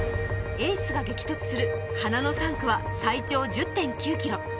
エースが激突する花の３区は最長１０．９ｋｍ。